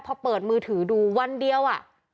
พอเปิดมือถือดูวันเดียว